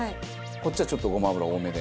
こっちはちょっとごま油多めで？